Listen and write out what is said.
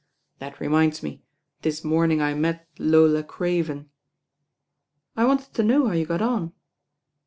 That re minds me, this morning I met Lola Craven. "I wanted to know how you got on.